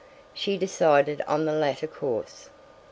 She decided on the latter course.